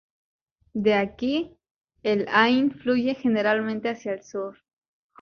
De aquí, el Ain fluye generalmente hacia el sur.